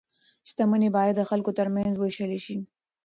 شتمني باید د خلکو ترمنځ وویشل شي.